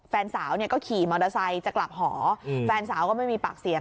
แฟนสาวเนี่ยก็ขี่มอเตอร์ไซค์จะกลับหอแฟนสาวก็ไม่มีปากเสียง